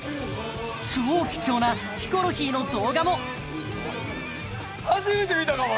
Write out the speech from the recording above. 超貴重なヒコロヒーの動画も初めて見たかも！